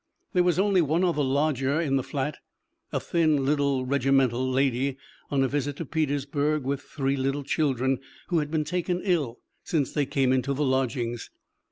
There was only one other lodger in the flat, a thin little regimental lady, on a visit to Petersburg, with three little children who had been taken ill since they came into the lodgings.